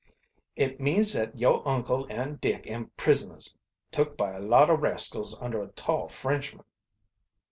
"It means dat yo' uncle an' Dick am prisoners took by a lot of rascals under a tall, Frenchman."